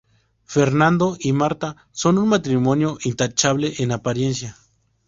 Fernando y Marta son un matrimonio intachable en apariencia.